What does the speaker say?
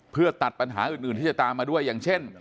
เพื่อตัดปัญหาอื่นที่จะตามมาด้วยอย่างเช่น